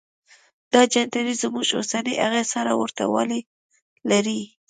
دا جنتري زموږ اوسنۍ هغې سره ورته والی لري.